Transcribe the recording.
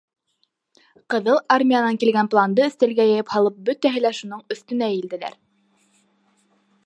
Ҡыҙыл Армиянан килгән планды өҫтәлгә йәйеп һалып, бөтәһе лә шуның өҫтөнә эйелделәр.